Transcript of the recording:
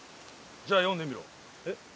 じゃあ読んでみろ。え？